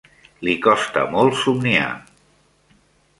Li costa molt somniar.